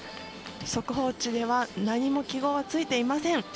速報値では何も記号はついていません。